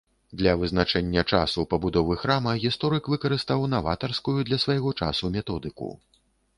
Для вызначэння часу пабудовы храма гісторык выкарыстаў наватарскую для свайго часу методыку.